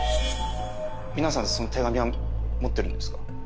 皆さんその手紙は持ってるんですか？